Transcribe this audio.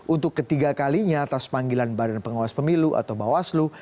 untuk ketiga kalinya atas panggilan badan pengawas pemilu atau bawaslu